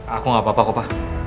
aku gak apa apa kopa